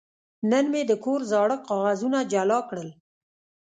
نن مې د کور زاړه کاغذونه جلا کړل.